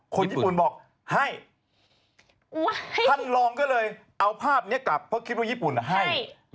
คนญี่ปุ่นบอกให้ท่านรองก็เลยเอาภาพนี้กลับเพราะคิดว่าญี่ปุ่นให้